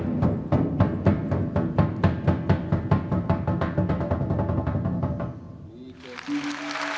สวัสดีสวัสดี